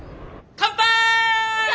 乾杯！